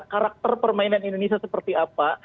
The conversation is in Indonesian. karakter permainan indonesia seperti apa